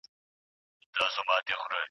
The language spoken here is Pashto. هغه کور ته روانه ده.